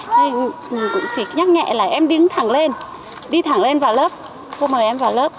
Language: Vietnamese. cô chỉ nhắc nhẹ là em đứng thẳng lên đi thẳng lên vào lớp cô mời em vào lớp